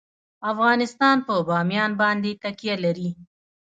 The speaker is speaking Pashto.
افغانستان په بامیان باندې تکیه لري.